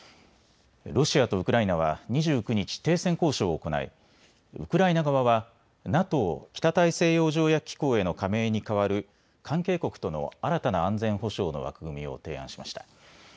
ロシアとウクライナは２９日、停戦交渉を行いウクライナ側はＮＡＴＯ・北大西洋条約機構への加盟に代わる関係国との新たな安全保障の枠組みを提案しました。